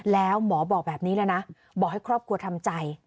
แล้วหมอบอกแบบนี้เลยนะบอกให้ครอบครัวทำใจ